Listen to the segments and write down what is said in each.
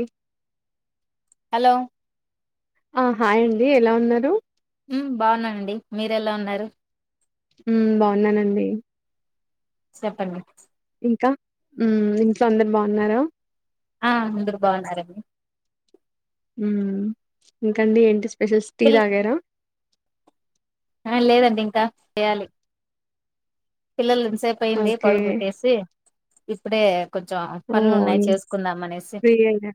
ఈ హలో ఆ హాయ్ అండి ఎలా ఉన్నారు మ్మ్ బాగున్నానండి మీరు ఎలా ఉన్నారు మ్మ్ బాగున్నానండి సెప్పండి ఇక మ్మ్ ఇంట్లో అందరు బాగున్నారా ఆ అందరు బాగున్నారండి మ్మ్ ఇంకండి ఏంటి స్పెషల్స్ టీ పిల్ తాగారా ఆ లేదండి ఇంకా చేయాలి పిల్లల్న్స్ సేపు అయింది ఓకే పడుకు బెట్టేసి ఇప్పుడే కొంచెం పనులు ఉన్నాయి ఓయ్ చేసుకుందాం అనేసి ఫ్రీ అయినా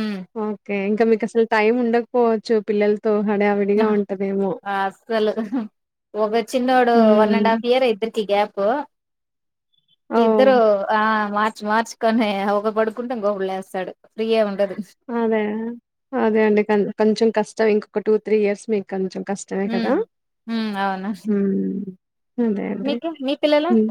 ఉమ్ ఓకే ఇంకా మీకు అసలు టైం ఉండకపోవచ్చు, పిల్లల్ అహ అస్సలు ఒక చిన్నోడు one hmm and half year అయిపేంది చిగ్యాపు ఓ ఇద్దరు ఆ వా మార్ మార్చ కానే గ పడుకుంటే ఇం గోబళ్ళేస్తాడు ఫ్రీయ ఉండదు అదే అదే అండి కొంచెం కష్టం స ఇంకొక టూ త్రీ ఇయర్స్ మీకు కొంచెం కష్టమే ఉమ్ కదా ఉమ్ అవును అదే అదే మీకు మీ పిల్లలు మ్మ్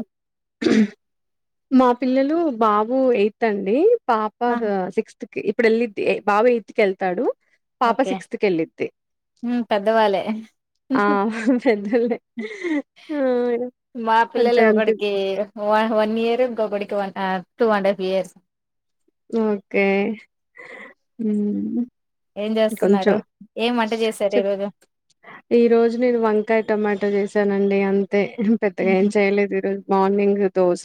మా పిల్లలు బాబు ఎయిత్ అండి పాప ఆ సక్స్త్ ఇప్పుడు వెళ్ళి బాబా ఎత్తుకిళ్తాడు పాప ఓకే సిక్స్త్ క వెళ్ళది ఉమ్ పెద్దవాళ్ళే ఆ పెద్దళ మా పిల్లలు కొంచె ఒకడికి వన్ ఇయర్ ఇంకా గుడికి one two and half years okay ఏం కొంచెం చేస్తున్నారు ఏం వంట చేశారు ఈ రోజు ఈ రోజు నేను వంకాయ టొమాటో చేసానండి అంత అతే పెద్దగా ఏం చేయలేదు ఈరోజు మార్నింగ్ దోశ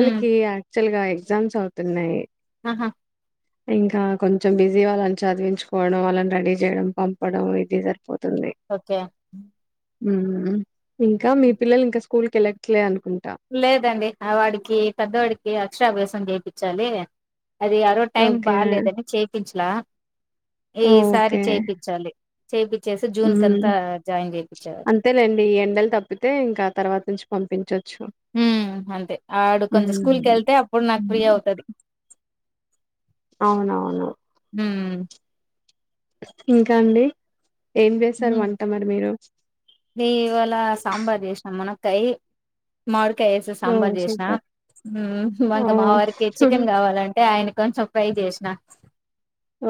ఉమ్ ఆ లుగా ఎగ్జామ్స్ అవుతున్నాయి ఆహా ఇంకా కొంచెం బిజీ వాళ్ళని చదివించుకోవడం వాళ్ళని రెడీ చేయడం పంపడం ఇది జర పో ఓకే ఉ ఇంకా మీ పిల్లలు ఇంకా స్కూల్ కలట్లేను లేదండి ఆ వాడికి పెద్దవాడికి అక్షరాభ్యాసం చేటికి చలియె అది యారో టైం ఓకే. బాగాలేదని చేపించె ఇలా ఈసారి చేయిచ్చాలి చేపి ఉమ్ అంతేలేండి ఈ ఎండలు తప్పితే ఇంక తర్వాత నుంచి పంపించొచ్చు హుమ్ అంతే ఆడు కొంచెం స్కూల్ హ్మ్. కెళ్తే అప్పుడు నాకు ఫ్రీ హ్మ్. అవుతది అవునవును ఉమ్ ఇంకా అండి ఏం చేస్తారు వంట మరి మీరు నీ ఇవళ సాంబార్ చేసినాం మనక్కాయ్ మాడ క్కాయ్ వేసి ఓహ్! సాంబార్ చేసిన సూపర్. ఇంక మా ఓహ్! వారికి చికెన్ కావాలంటే ఆయన గాన్ సొరె కాయె చేసిన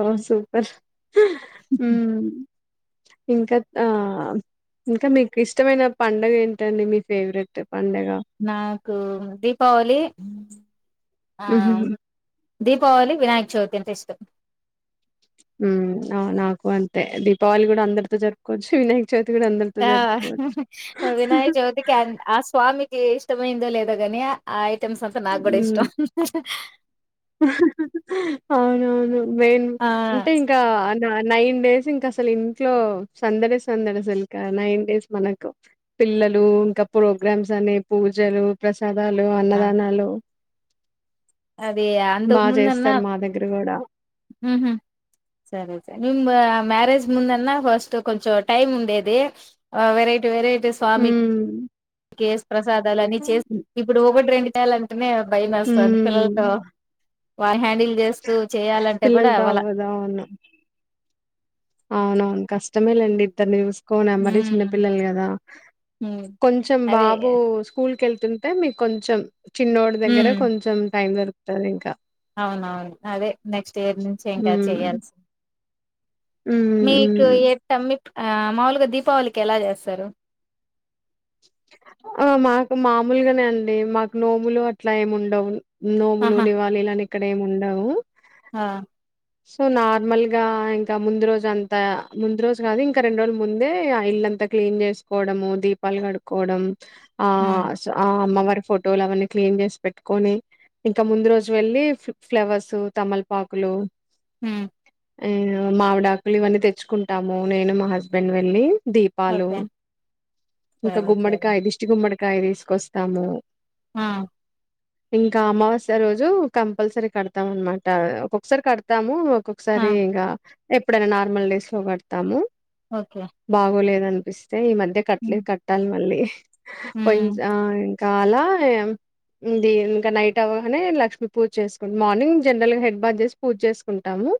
ఓ సూప్పర్ ఇంక ఆ ఇంక మీకు ఇష్టమైన పండగ ఏంటండి మీ ఫేవరెట్ పండగ కు దీపావళి హుహు. ఆయ్ దీపావళి వినాయక చవితి అంటే ఇష్టం ఉమ్ ఆ నాకు అంతే దీపావళి కూడా అందరితో జరుపుకోవచ్చు వినాయ ఆ వినాయక్ చోతికి ఆ స్వామి ఎ ఇష్టమైందో లేదా గాని ఆయ్క్ ప్రెండ్స్ అంటే నా కూడా ఇష్టం అవును అవును మెయిన్ ఆ అంటే ఇంకా ఆ నైన్ డేస్ ఇంకా అసలు ఇంట్లో సందడే సందడే అసలు ఇకా నైన్ డేస్ మనకు పిల్లలు ఇంకా ప్రోగ్రామ్స్ అనే పూజలు ప్రసాద చదాలు అన్నదానాలు అదే బా అంతకు చేస్తారు ముందన్నమ్ మా దగ్గర కూడా మ్యారేజ్ ముందన్నా ఫస్ట్ కొంచెం టైం ఉండేది ఆ వెరైటీ వెరైటీ హ కేసు ప్రసాదాలు అని చేస్త ఇప్పుడు ఒకటి రెండు చాలంటునే భయమ్ వేస్తాంది పిల్లలు తొ హ్మ్ వహడి [unintelligible] బిల్ చేస్తూ చేయాలంటే కూడా పిల్లలతో అవలా అవునువును కష్టమేలండి ఇద్దరిని చుస్ కోన మరి చిన్న పిల్లలు కదా కొంచెం అదే బాబు స్కూల్ వెళ్తుంటే మీకు కొంచెం చిన్నోడు దగ్గర హ్మ్ కొంచెం టైం దొరుకు తొని ఇంకా అవునవును అదే నెక్స్ట్ ఇయర్ నుంచి ఇంకా హ్మ్ చేయాల్సి హ్మ్ మీకు హ్మ్ ఏ తమి ఆ మాములుగా దీపావళికి ఎలా చేస్తారు ఆ మాకు మామూలుగానే అండి మాకు నోములు అట్లా ఏమి ఉండవు ఆహా నోములునే వాళ్ళు ఇళ్ళాని ఇక్కడేమి ఉండవు ఆ సో నార్మల్ గా ఇంకా ముందు రోజు అంత ముందు రోజు కాదు ఇంకా రెండు రోజుల ముందే ఇల్ అంతా క్లీన్ చేసుకోవడము దీపాలు కడుక్కవడం ఆ హ్మ్. ఆ అమ్మవ ఫోటోలు అవన్నీ క్లీన్ చేసి పెట్టుకొని ఇంకా ముందు రోజు వెళ్ళలి ఫ్లవర్స్ తమల్పాకులు హ మావిడాకులు ఇవన్నీ తెచ్చుకుంటాము నేను మా హస్బెండ్ వెళ్ళి దీపాలు ఓకే ఇంకా సరే గుమ్మడికా సరే ఐదిష్టి గుమ్మడికాయ కాయ తీసుకొస్తాము ఆ ఇంకా అమావాస్య రోజు కంపల్సరీ కడతాం అనమాట ఒక్కొక్కసారి కడతా తము క్క ఆ! ఒకసారి ఇకా ఎప్పుడైనా నార్మల్ డేస్ లో కడతాము ఓకే బాగోలేదం అతే ఈ మధ్య కట్టలే హ్మ్. కట్టాలి మళ్ళీ హ్మ్. [unintelligible] ఆ కాలా ది ఇంక నైట్ అవ్వగానే లక్ష్మీ పూజ చేసుకోని మార్నింగ్ జనరల్ గా హెడ్ బాత్ చేస్ పూజ్జేసుకుంటాము.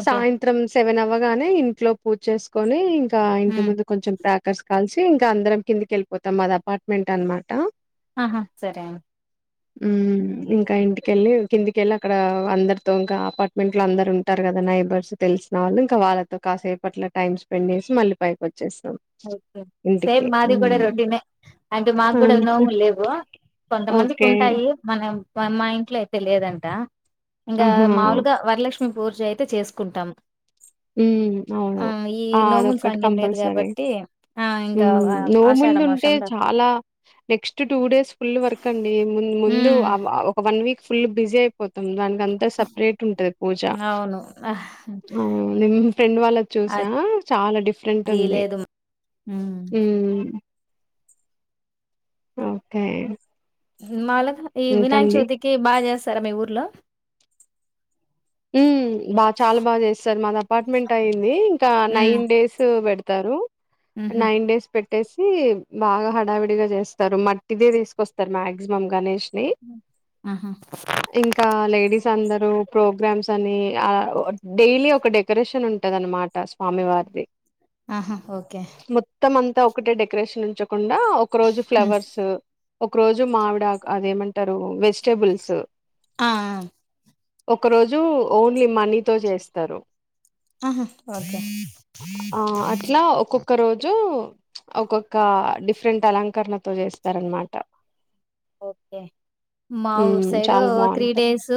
ఓకే సాయంత్రం సెవెన్ అవ్వగానే ఇంట్లో పూజ చేసుకొని, ఇ ఆ ఇంటి హ్మ్. ముందు కొంచెం క్రాకర్స్ కాల్చి ఇంక అందరం కిందికి ఎళ్ళిపోతాం మాది అపార్ట్మెంట్ అన్మాట. ఆ హా సరే మ్మ్ ఇంకా ఇంటికెళ్ళి కిందికెళ్ళి అక్కడ అందరితో ఇంకా ఆపార్ట్ మెంట్లో అందరు ఉంటారు కదా, నైబర్స్ తెలిసిన వాళ్ళు ఇంకా వాళ్ళతో కాసేపట్ల టైమ్ స్పెండ్ చేసి, మళ్ళీ పైకొ ఓకే సేమ్ మాది కూడ ఉమ్ రొటీనే అంటే మాకు కూడా అంతే నోముల్ లేవు, కొంతమందికి ఓకే ఉంటాయి. మనం ఆ మా ఇంట్లో అయితే లేదంట. ఇంగా ఆహా మాములుగా వరలక్ష్ మి పూర్జ అయితే చేసుకుంటాం. మ్మ్ అవును ఆ ఈ ఆ నోముల అదొక్కటి సాంగ్యం లేదు కంపల్సరీ. కాబట్టి ఆ ఇంకా మ్మ్ ఆ, ఆషాఢ నోముల్దుంటే మాసంలో చాలా next two days full work అండి ముం ముందు ఉమ్ ఆ ఆ ఒక వన్ వీక్ ఫుల్ బిజి అయిపోత్ తం దానికంతా సపరేట్ ఉంటది పూజ అవును ఆహ్, అవును ఫ్రెండ్ వాళ్ళది చూసా చాలా డిఫరెంట్ అది ఉంది. లేదు ఉమ్ [unintelligible] [inaudible] ఓకే మాలత్ ఈ వినాయక ఇంకండి? చవితికి బాజేస్ స్తరా మీ ఊర్లో? మ్మ్ బాగ్ చాలా బాగ చేస్తరు మాది అపార్ట్మెంట్ అయ్యింది. ఒక ఉమ్ నైన్ డేస్ పెడుత్ తారు ఉహు నైన్ డేస్ పెట్ పెట్టేసి బాగా హడావిడిగా చేస్తారు. మట్టిదే తీసుకొస్తారు మాక్సిమం గణేష్ నీ ఆహా ఇంకా లేడీస్ అందరూ ప్రోగ్ గ్రామ్స్ అని ఆ ఓ డైలీ ఒక డెకరేషన్ ఉంటది అన్నమాట స్వామి వారిది. ఆ హా ఓకే తా ఒకటే డెకరేషన్ ఉంచం కుండా ఒక రోజు ఉమ్, ఫ్లవర్స్ ఒక రోజు మామిడాక్ అదేమంటారు వెజిటబుల్స్ ఆ ఆహ్ ఒక రోజు ఓన్లీ మనీతో చేస్తరు. ఆహా ఓకే ఆ అట్లా ఒక్కొక్క రోజు ఒక్కొక్క డీప్ డిఫరెంట్ అలంకరణతో చేస్తారనమాట. ఓకే మా ఊర్ ఉమ్ సైడ్ చాలా త్రీ బాగుంటది డేస్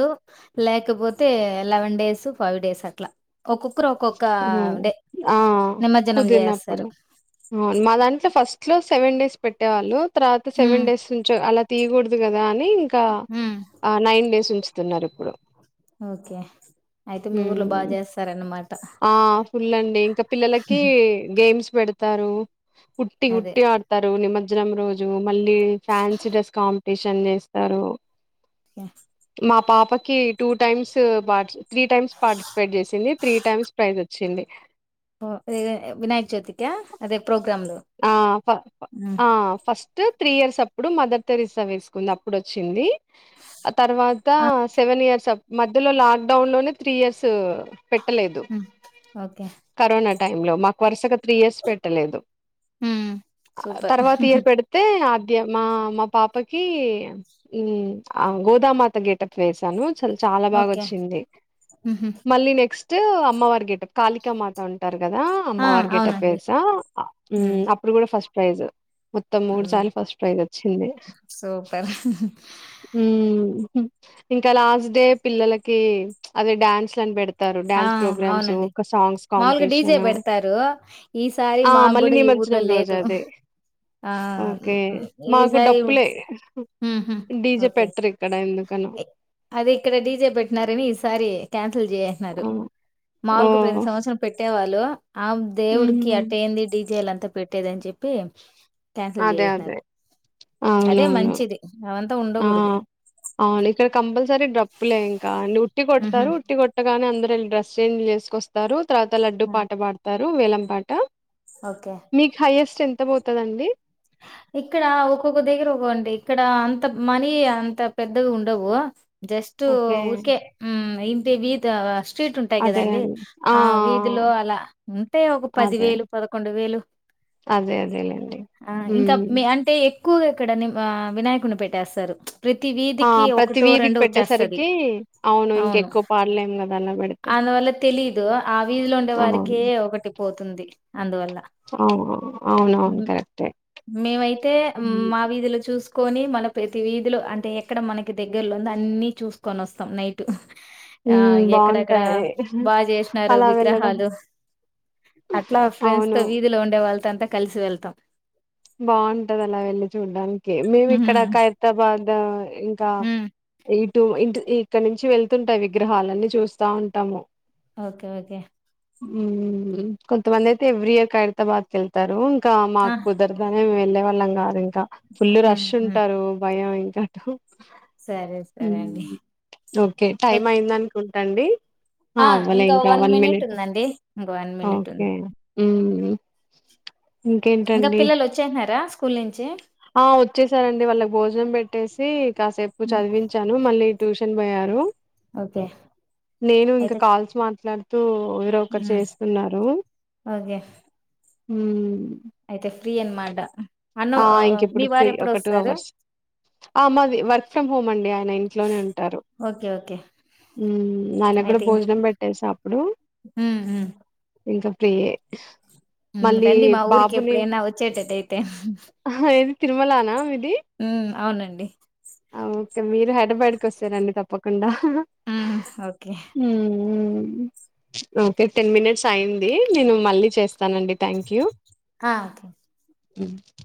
లేకపోతే తే ఎలెవన్ డేస్, ఫైవ్ డేస్ అట్లా. ఒక్కొక్కరు ఒక్కొక్క ఉహ్మ్ డే ఆహ్ నిమజ్జనం కుదిరినప్పుడు చేసేస్తారు. అవున్ మా దాంట్లో ఫస్ట్ లో సెవెన్ డేస్. పెట్టేవాళ్ళు తర్వాత సెవెన్ హ్మ్ డేస్ నుంచి అలా తీయకూడుదు కదా అని నీ ఇంకా హ్మ్ ఆ నైన్ డేస్ ఉంచ్ తున్నారు ఇప్పుడు. ఓకే అయితే మీ ఊర్లో బాగా చేస్తారన్నమాట్ ఆ ఫుల్ అండి. ఇంకా పిల్లలకి గేమ్స్ పెడతారు ఉట్టి అదే ఉట్టి ఆడతారు నిమం జ్జనం రోజు మళ్ళీ ఫ్యాన్సీ డ్రెస్ కాంపిటీషన్ చేస్తారు. [inaudible] మా పాపకి టూ టైమ్స్ పట్స్ త్రీ టైమ్స్ పార్టిసిపేట్ చేసింది. త్రీ టైమ్స్ వచ్చిండే ఓ ఇదే దే వినాయక చవితిక అదే ప్రోగ్రామ్లు ఆ ఫ హ్మ్ ఫస్ట్ త్రీ ఇయర్స్ అప్పుడు మదర్ థెరిస్సా వేసుకుంది. అప్పుడు వచ్చింది. ఆ తర్వాత సెవెన్ ఇయర్స్ సప్ మధ్యలో లాక్డౌన్ లోనే త్రీ ఇయర్స్ పెట్టలేదు హ్మ్ ఓకే కరోనా అన్ టైం లో మాకు వరుసగా త్రీ ఇయర్స్ పెట్టలేదు. హ్మ్ సూపర్ తర్వాత ఇయర్ పెడితే అగ్ ద్య మా మా పాపకి గోదామాత గేటప్ వేస్ ను చల్ చాలా బాగా ఓకే వచ్చింది. హుహు. మళ్ళీ నెక్స్ట్ క్స్ట్, అమ్మవారి గెటప్ కాలిక మాత ఉంటర్ కదా ఆ! అమ్మవారు గెటప్ అవునండి. వేస ఆ హ్మ్ ఉహ్మ్ అప్పుడు కూడా ఫస్ట్ ప్రైజ్ మొత్తం మూడు హ్మ్ సార్లు ఫస్ట్ ప్రైజ్ వచ్చింది సూపర్ ఇంకా హ్మ్మ్ లాస్ట్ డే పిల్లలకి అదే డ్యాన్స్ లని పెడుత్ ఆ అవునండి మాములుగా డీజే కాంపిటీషన్ పెడతారు ఈసారి ఆ మాకు మళ్ళీ కూడా ఈ ఊర్లో నిమజ్జనం రోజు లేదు అదే ఆ ఓకే మాకు ఈసారి ఉమ్ డప్పులే హ్మ్మ్ డీజే ఓకే పెట్టరు ఇక్కడ ఎందుకనో అది ఇక్కడ డీజే పెట్టినారని ఈసారి క్యాన్ కాన్సిల్ జె సారు ఓ మామూల్గ ప్రతి సంవత్సరం పెట్టేవాళ్ళు లు ఆ మ్ దేవుడ్కి హు అట్టేంది డిజేలన్ అంత పెట్టేదని చెప్పి క్యాన్సల్ అదే చేసినారు అదే అదే అవునవును మంచిది అవన్ ఆ అవును ఇక్కడ కంపల్సరీ డ్రప్పులే ఇంకా అ ఉట్టి ఉహు. కొడతారు ఉట్టి కొట్ట గా కానీ అందరు ఎల్లి డ్రెస్ చేంజ్ చేసుకొస్తారు తర్వాత లడ్డూ పాట పాడతారు వేలంపాట ఓకే మీకు హైయెస్ట్ ఎంత ఎంత పోతదండి ఇక్కడ ఒక్కొక్క దగ్గర ఒకండి ఇక్కడ అంత మనీ అంత పెద్దగా ఉండవు జస్ట్ ఓకే ఉరికే హ్మ్మ్ ఇంటి బీత అ స్ట్రీట్ ఉంటాయి అదే కదండి అండి ఆ వీధిలో అలా ఉంటాయి ఒక పది అదే వేలు పదకొండు వేలు అదే అదేలేండి ఆ ఉమ్ ఇంకా అంటే ఎక్కువగా ఇక్కడ ని వినాయకుడిని పెట్టేస్తారు ప్రతి ఆ వీధికి ప్రతి ఒకటో వీధికి రెండో వచ్చేస్తాది పెట్టేసరికి అవును ఇంకెక్కువ పాడలేము కదా అలా పెడితే అందువల్ల తెలీదు ఆ వీధిలో ఉండే వారికే ఒకటి పోతుంది అందువల్ల. ఓ అవును అవును హ్మ్. కరెక్ట్ మేమైతే మా వీధిలో చూసు కోని మన ప్రతి వీధిలో అంటే ఎక్కడ మనకి దగ్గరలో ఉందో అన్ని చూసుకొని వస్తాం నైట్ ఆ ఉమ్ ఎక్కడక్కడ బాగుంటాయి బాగా చేసినారు అలా వెళ్ళడం విగ్రహాలు అట్లా ఫ్రెండ్స్ తో అవును వీధిలో ఉండే వాళ్ళు అంతా కలిసి వెళ్తాం బాగుంటది అలా వెళ్ళి చూడ్డానికి మేము ఇక్కడ హ్మ్. ఖైతాబాద్ ఇంకా హ్మ్. ఇటు ఇ ఇక్కడ నుంచి వెళ్తుంటాయి విగ్రహాలన్నీ చూస్తా ఉంటాము ఓకే ఓకే ఉ కొంతమంది అయితే ఎవ్రీ ఇయర్ ైరతాబాద్కి వెళ్తారు ఆ! మాకు రా వెళ్లే వాళ్ళం కారు ఇంకా ఫుల్ హ్మ్. రష్ హ్మ్. ఉంటారు భయం ఇంకా చటు సరే. సరే అండి. ఓకే టైమ్ ఒచ్ అయింద అనుకుంటు తండి ఆ ఇంకా వన్ మినిట్ ఉందండి ఇంకా వన్ మినిట్ ఉంది ఉ ఇంకా పిల్లలు వచ్చేన్నారా ఆ వచ్చేసారండి వాళ్ళకి భోజనం పెట్టేసి కాసేపు హ్మ్. చదివించాను మళ్ళీ ట్యూషన్ పోయారు ఓకే. నేను ఇంకా అయితే కాల్స్ మాట్లాడుత త పరు ఒక ఒకరు హ్మ్. చేస్తున్నారు ఓకే. హ అయితే ఫ్రీయన్మాడా ఆ ఇంక ఇప్పుడు ఫ్రీ ఒక టూ అవర్స్ ఆ మాది వర్క్ ఫ్రమ్ హోమ్ అండి ఆయన ఇంట్లోనే ఉంటారు ఓకే ఓకే ఆయన కూడా అయితే ఇంక భోజనం పెట్టసా అప్పుడు ఉమ్ ఉమ్ ఇంకా ప్రయే రండిమా ఊరికి ఎప్పుడుేన్న వచ్చేట ట ది తిరుమలనా ఆ అవునండి ఓకే మీరు హైదరాబాద్కి వస్తారంండి తప్పకుండా okay hmm okay ten minutes అయింది నేను మళ్ళీ చేస్తా వస్తానండి థ్యాంక్ యూ ఆ ఓకే హ